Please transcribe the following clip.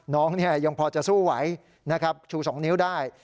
น้องยังพอจะสู้ไหวนะครับชู๒นิ้วได้